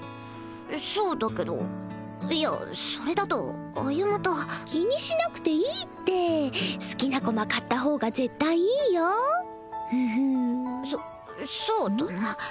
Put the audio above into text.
そうだけどいやそれだと歩と気にしなくていいって好きな駒買った方が絶対いいよフフンそそうだな